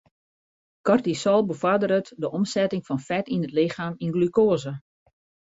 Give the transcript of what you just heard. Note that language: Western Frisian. Kortisol befoarderet de omsetting fan fet yn it lichem yn glukoaze.